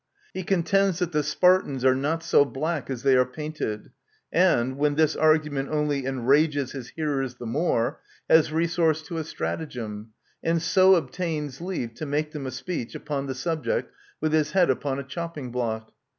He contends that the Spartans are not so black as they are painted, and, when this argument only enrages his hearers the more, has resource to a stratagem, and so obtains leave to make them a speech upon the subject with his head upon a chopping block.